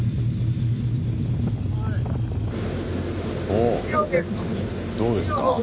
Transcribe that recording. おおどうですか？